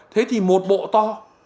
thế thì một bộ to